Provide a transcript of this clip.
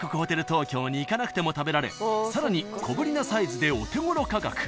東京に行かなくても食べられさらに小ぶりなサイズでお手ごろ価格］